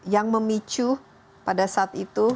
yang memicu pada saat itu